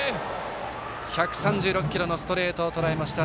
１３６キロのストレートをとらえました。